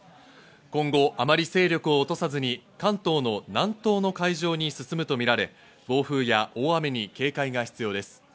今後、あまり勢力を落とさずに関東の南東の海上に進むとみられ、暴風や大雨に警戒が必要です。